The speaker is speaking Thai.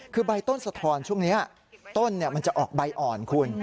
คือใบต้นสะทอนช่วงนี้ต้นมันจะออกใบอ่อนคุณ